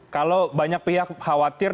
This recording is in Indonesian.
kalau banyak pihak khawatir